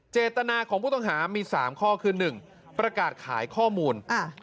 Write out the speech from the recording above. เจตนาของผู้ต้องหามี๓ข้อคือ๑ประกาศขายข้อมูล